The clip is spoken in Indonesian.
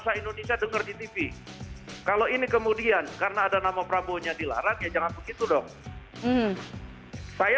saya kita merasa diprotes